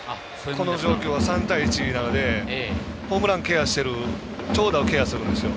この状況は３対１なのでホームランケアしている長打をケアするんですよ。